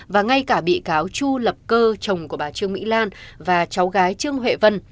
và ngay cả bị cáo chu lập cơ chồng của bà trương mỹ lan và cháu gái trương huệ vân